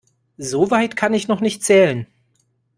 So weit kann ich noch nicht zählen.